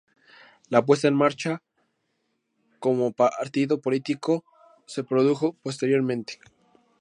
La puesta en marcha como partido político se produjo posteriormente.